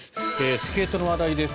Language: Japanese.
スケートの話題です。